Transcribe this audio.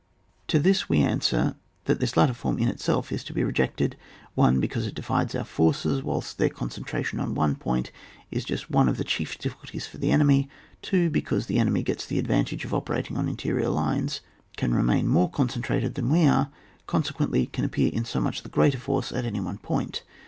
To this we answer that this latter form in itself is to be rejected. 1. Because it divides our forces, whilst their concentration on one point is just one of the chief difficidties for the enemy. 2. Because the enemy gets the ad vantage of operating on interior lines, can remain more concentrated than we are, consequently can appear in so much the greater force at any one point.